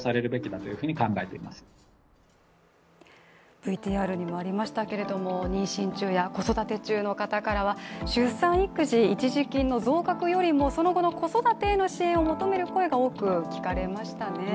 ＶＴＲにもありましたけれども、妊娠中や子育て中の方からは出産育児一時金の増額よりもその後の子育てへの支援を求める声が多く聞かれましたね。